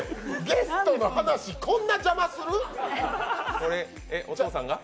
ゲストの話、こんな邪魔する？